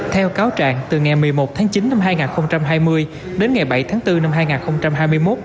theo cáo trạng từ ngày một mươi một tháng chín năm hai nghìn hai mươi đến ngày bảy tháng bốn năm hai nghìn hai mươi một